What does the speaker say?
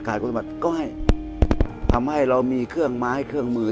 คุณบัตรก็ให้ทำให้เรามีเครื่องไม้เครื่องมือ